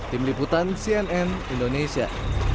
tim liputan cnn indonesia